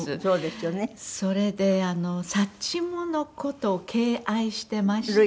それでサッチモの事を敬愛してまして。